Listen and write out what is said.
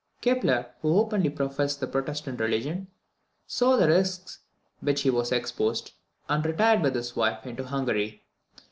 Kepler, who openly professed the Protestant religion, saw the risks to which he was exposed, and retired with his wife into Hungary.